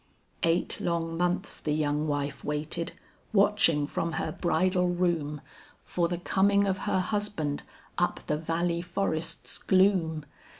Eight long months the young wife waited, watching from her bridal room For the coming of her husband up the valley forest's gloom.